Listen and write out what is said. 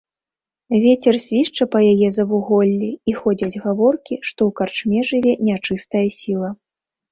Вецер свішча па яе завуголлі, і ходзяць гаворкі, што ў карчме жыве нячыстая сіла.